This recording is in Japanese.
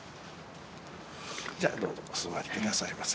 どうぞお座り下さいませ。